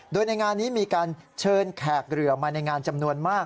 โดยในงานนี้มีการเชิญแขกเรือมาในงานจำนวนมาก